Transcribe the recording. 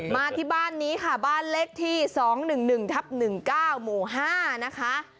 มาที่บ้านนี้ค่ะบ้านเลขที่๒๑๑ทับ๑๙หมู่๕นะคะ